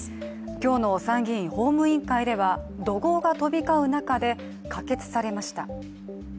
今日の参議院法務委員会では怒号が飛び交う中で可決されました。